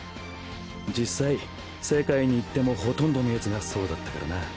実際世界に行ってもほとんどのヤツがそうだったからな。